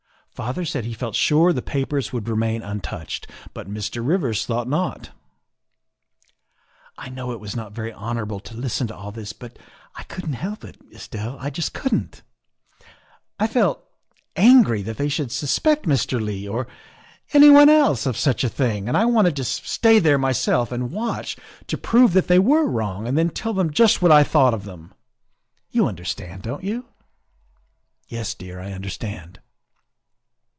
Father said he felt sure the papers would remain untouched, but Mr. Rivers thought not. " I know it was not very honorable to listen to all this, but I couldn't help it, Estelle, I just couldn't. I felt angry that they should suspect Mr. Leigh, or anyone else, of such a thing, and I wanted to stay there myself and watch to prove they were wrong, and then tell them just what I thought of them. You understand, don't you?" " Yes, dear, I understand."